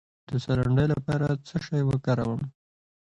د ساه لنډۍ لپاره باید څه شی وکاروم؟